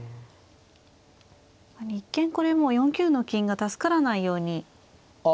一見これもう４九の金が助からないように見えるんですが。